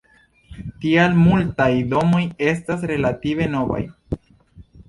Tial multaj domoj estas relative novaj.